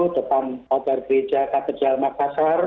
depan kota gereja katedral makassar